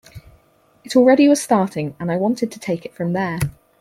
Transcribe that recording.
It already was starting and I wanted to take it from there.